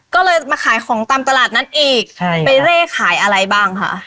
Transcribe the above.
ก็เลยมาขายของตามตลาดนั้นอีกใช่ไปเร่ขายอะไรบ้างค่ะ